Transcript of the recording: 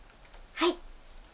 はい。